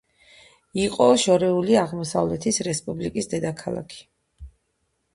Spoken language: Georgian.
იყო შორეული აღმოსავლეთის რესპუბლიკის დედაქალაქი.